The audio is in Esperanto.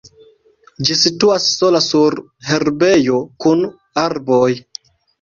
Ĝi situas sola sur herbejo kun arboj.